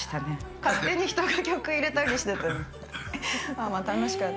勝手に人が曲入れたりしてた。